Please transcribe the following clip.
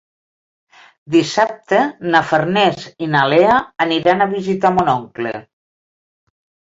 Dissabte na Farners i na Lea aniran a visitar mon oncle.